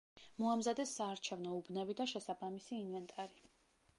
მოამზადეს საარჩევნო უბნები და შესაბამისი ინვენტარი.